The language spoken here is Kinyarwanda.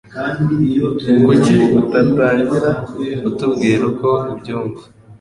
Kuki utatangira utubwira uko ubyumva?